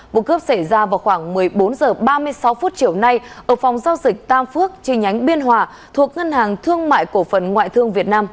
vụ cướp xảy ra vào khoảng một mươi bốn h ba mươi sáu phút chiều nay ở phòng giao dịch tam phước chi nhánh biên hòa thuộc ngân hàng thương mại cổ phần ngoại thương việt nam